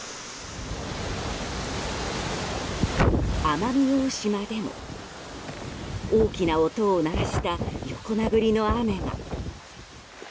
奄美大島でも大きな音を鳴らした横殴りの雨が。